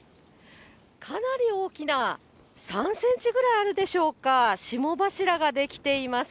かなり大きな、３センチぐらいあるでしょうか、霜柱が出来ています。